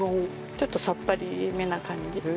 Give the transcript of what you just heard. ちょっとさっぱりめな感じ。